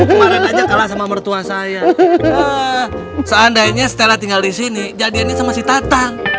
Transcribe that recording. kemarin aja kalah sama mertua saya seandainya stella tinggal di sini jadi ini semasa tatang